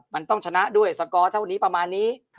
มันต้องชนะด้วยสกอร์เท่านี้ประมาณนี้